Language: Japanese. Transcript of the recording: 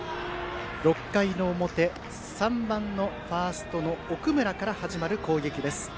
６回の表３番ファースト、奥村から始まる攻撃です。